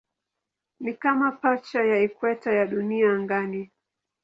Ni kama pacha ya ikweta ya Dunia angani.